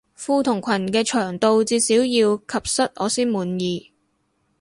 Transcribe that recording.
褲同裙嘅長度至少要及膝我先滿意